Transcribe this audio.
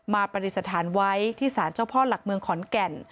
ปฏิสถานไว้ที่ศาลเจ้าพ่อหลักเมืองขอนแก่น